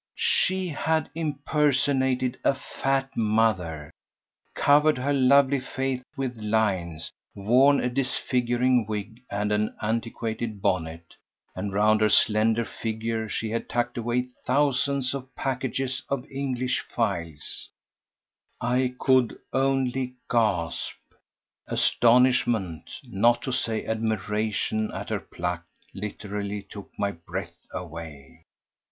She had impersonated a fat mother, covered her lovely face with lines, worn a disfiguring wig and an antiquated bonnet, and round her slender figure she had tucked away thousands of packages of English files. I could only gasp. Astonishment, not to say admiration, at her pluck literally took my breath away.